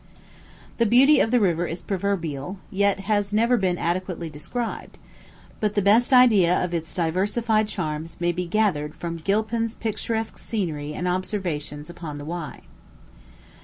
The beauty of the river is proverbial, yet has never been adequately described; but the best idea of its diversified charms may be gathered from "Gilpin's Picturesque Scenery and Observations upon the Wye."